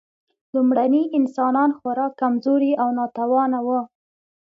لومړني انسانان خورا کمزوري او ناتوانه وو.